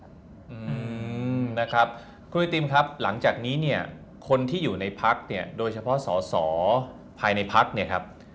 อืมนะครับคุณไอติมครับหลังจากนี้เนี่ยคนที่อยู่ในพักเนี่ยโดยเฉพาะสอสอภายในพักเนี่ยครับ